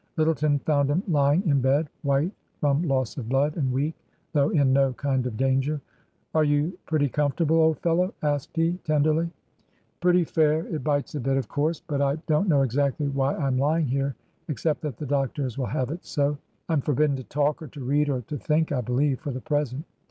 Lyttleton found him lying in bed, white from loss of blood and weak, though in no kind of danger. " Are you pretty comfortable, old fellow ?" asked he, tenderly. " Pretty fiiir. It bites a bit, of course. But I don't know exactly why I'm lying here, except that the doctors will have it so. I'm forbidden to talk or to read, or to think, I believe, for the present.